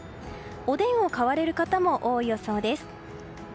おでんを買われる方も多い予想です。